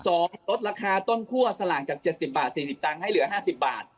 ลดราคาต้นคั่วสลากจาก๗๐บาท๔๐ตังค์ให้เหลือ๕๐บาท